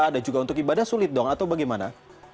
dan juga untuk ibadah sulit dong atau bagaimana